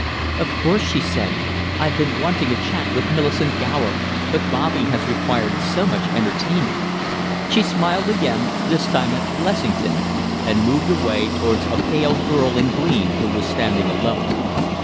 "Of course!" she said. "I've been wanting a chat with Millicent Gower, but Bobby has required so much entertaining " She smiled again, this time at Blessington, and moved away towards a pale girl in green who was standing alone.